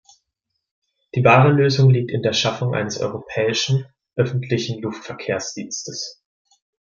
Die wahre Lösung liegt in der Schaffung eines europäischen öffentlichen Luftverkehrsdienstes.